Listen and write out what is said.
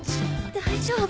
大丈夫？